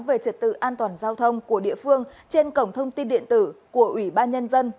về trật tự an toàn giao thông của địa phương trên cổng thông tin điện tử của ủy ban nhân dân